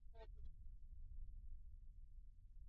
ya kwanza ya kusimamia vizuri uchafuzi wa hewa ni kuhakikisha